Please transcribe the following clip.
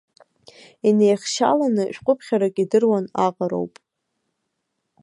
Инеихшьаланы шәҟәыԥхьарак идыруан аҟароуп.